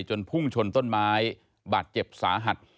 พุ่งชนต้นไม้บาดเจ็บสาหัส